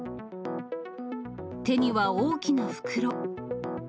手には大きな袋。